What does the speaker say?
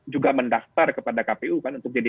juga mendaftar kepada kpu kan untuk jadi